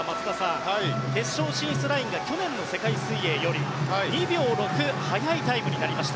松田さん決勝進出ラインが去年の世界水泳より２秒６速いタイムになりました。